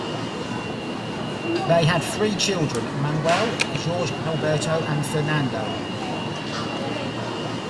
They had three children: Manuel, Jorge Alberto and Fernando.